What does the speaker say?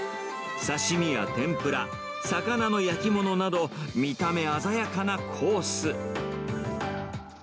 刺身や天ぷら、魚の焼き物など、見た目鮮やかなコース。